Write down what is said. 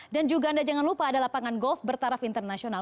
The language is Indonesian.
juga anda jangan lupa ada lapangan golf bertaraf internasional